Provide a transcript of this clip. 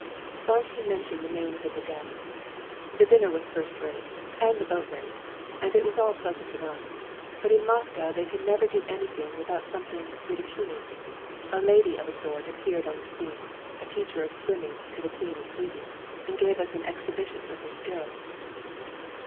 Vronsky mentioned the names of the guests. "The dinner was first rate, and the boat race, and it was all pleasant enough, but in Moscow they can never do anything without something ridicule. A lady of a sort appeared on the scene, teacher of swimming to the Queen of Sweden, and gave us an exhibition of her skill."